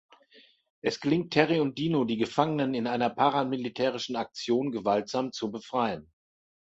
Es gelingt Terry und Dino, die Gefangenen in einer paramilitärischen Aktion gewaltsam zu befreien.